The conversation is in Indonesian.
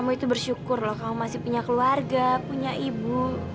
kamu itu bersyukur loh kamu masih punya keluarga punya ibu